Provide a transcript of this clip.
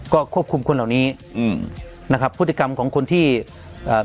ก็ควบคุมคนเหล่านี้อืมนะครับพฤติกรรมของคนที่อ่า